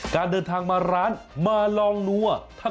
การเดินทางมาร้านมาลองนัว